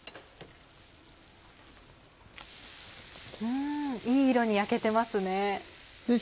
うんいい色に焼けてますね。